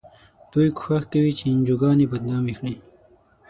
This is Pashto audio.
دوی کوښښ کوي چې انجوګانې بدنامې کړي.